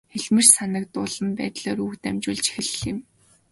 Хэлмэрч сандруухан байдлаар үг дамжуулж эхэллээ.